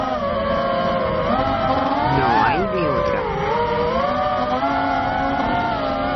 No hay de otra.